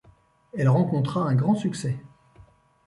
Elle rencontra un grand succès.